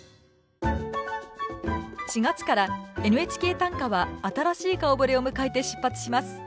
４月から「ＮＨＫ短歌」は新しい顔ぶれを迎えて出発します。